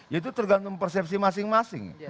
ya itu tergantung persepsi masing masing